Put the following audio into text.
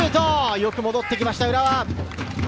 よく戻ってきました、浦和。